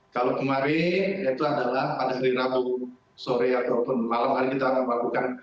kalau kemarin itu adalah pada hari rabu sore ataupun malam hari kita akan melakukan